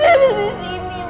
mereka tidak akan menang